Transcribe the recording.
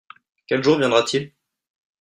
Quel jour viendra-t-il ?